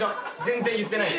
全然言ってない。